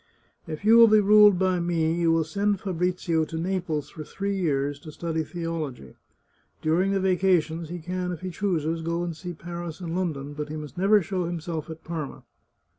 If you will be ruled by me, you will send Fabrizio to Naples for three years to study theology. Dur ing the vacations he can, if he chooses, go and see Paris and London, but he must never show himself at Parma."